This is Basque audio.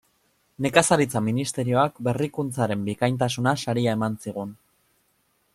Nekazaritza Ministerioak Berrikuntzaren bikaintasuna saria eman zigun.